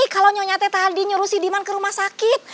kalau nyonya ate tadi nyuruh si diman ke rumah sakit